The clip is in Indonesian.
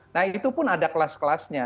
nah itu pun ada kelas kelasnya